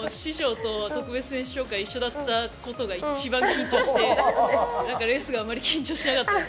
師匠と選手紹介が一緒だったことが一番緊張してレース、あまり緊張しなかったです。